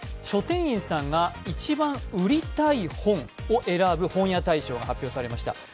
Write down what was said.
書店員さんが一番売りたい本を選ぶ本屋大賞が発表されました。